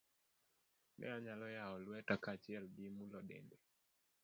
Ne anyalo yawo lweta kaachiel gi mulo dende.